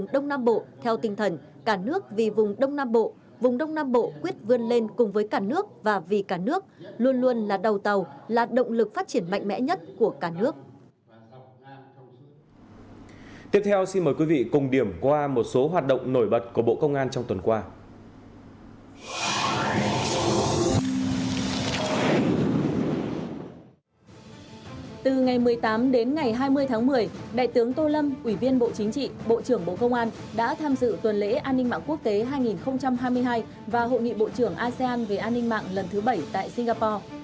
đã tham dự tuần lễ an ninh mạng quốc tế hai nghìn hai mươi hai và hội nghị bộ trưởng asean về an ninh mạng lần thứ bảy tại singapore